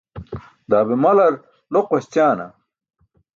Daa be malar loq waśćaana?